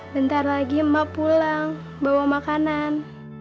bentar lagi emak pulang bawa makanan